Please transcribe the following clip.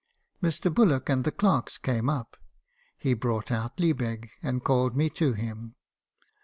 Mr. Bullock and the clerks came up. He brought out Liebig, and called me to him.